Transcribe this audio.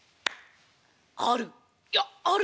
ある。